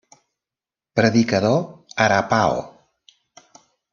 Predicador arapaho.